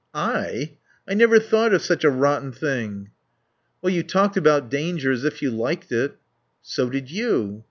"I? I never thought of such a rotten thing." "Well, you talked about danger as if you liked it." "So did you."